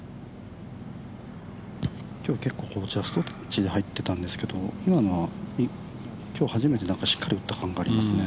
今日、結構ジャストタッチで入ってたんですけど今のは今日、初めてしっかり打った感がありますね。